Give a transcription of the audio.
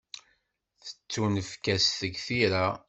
Tettunefk-as deg tira.